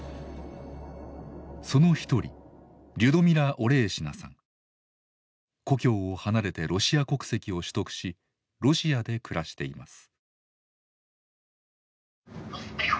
その一人故郷を離れてロシア国籍を取得しロシアで暮らしています。